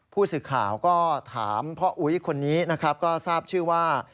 ผู้สื่อข่าวก็ถามพ่ออุ๊ยคนนี้นะครับก็ทราบชื่อว่า